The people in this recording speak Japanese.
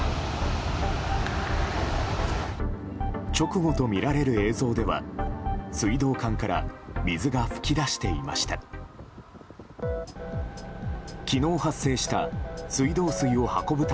直後とみられる映像では水道管から水が噴き出していました。